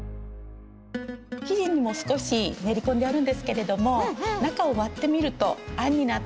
生地にも少し練り込んであるんですけれども中を割ってみるとあんになって入ってます。